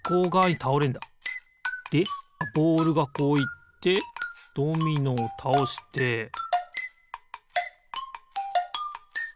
でボールがこういってドミノをたおしてピッ！